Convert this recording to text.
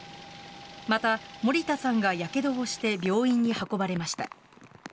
また、森田さんがやけどをして病院に運ばれました。